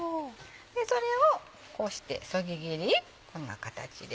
それをこうしてそぎ切りこんな形で。